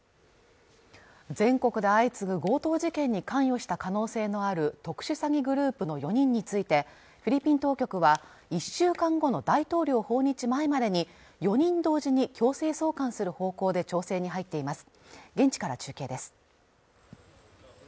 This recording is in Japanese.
全国で相次ぐ強盗事件に関与した可能性のある特殊詐欺グループの４人についてフィリピン当局は１週間後の大統領訪日前までに４人同時に強制送還する方向で調整に入っています現地から中継です